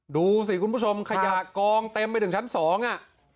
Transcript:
ดูสิคุณผู้ชมขยะกองเต็มไปถึงชั้นสองอ่ะ